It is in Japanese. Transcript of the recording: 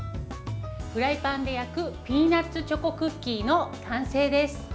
フライパンで焼くピーナツチョコクッキーの完成です。